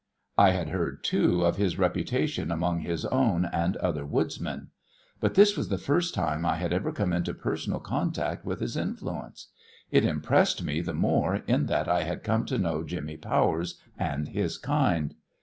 I had heard, too, of his reputation among his own and other woodsmen. But this was the first time I had ever come into personal contact with his influence. It impressed me the more in that I had come to know Jimmy Powers and his kind.